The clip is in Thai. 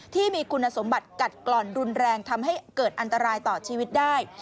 ที่มีคุณสมบัติกัดกล่อนรุนแรงทำให้เกิดอันตรายต่อชีวิตได้